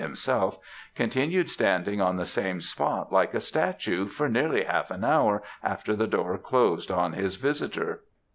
himself) continued standing on the same spot, like a statue, for nearly half an hour after the door closed on his visitor.